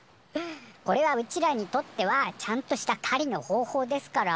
これはうちらにとってはちゃんとしたかりの方法ですから。